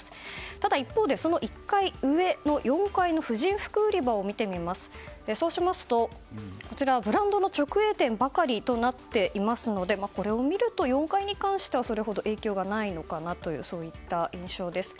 ただ、一方４階の婦人服売り場を見てみるとそうしますと、ブランドの直営店ばかりとなっていますのでこれを見ると４階に関してはそれほど影響はないのかなというそういった印象です。